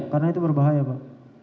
karena itu berbahaya pak